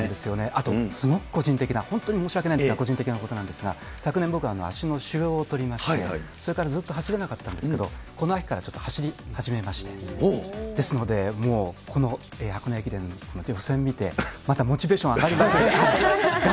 あとすごく個人的な、本当に申し訳ないんですが、個人的なことなんですが、昨年、僕、足の腫瘍を取りまして、それからずっと走れなかったんですけれども、この秋からちょっと走り始めまして、ですのでもう、この箱根駅伝の予選見て、またモチベーション上がりまくりです。